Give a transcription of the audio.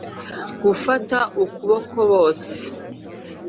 gufata ukuboko bose